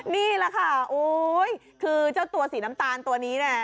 นี่แหละค่ะโอ๊ยคือเจ้าตัวสีน้ำตาลตัวนี้เนี่ย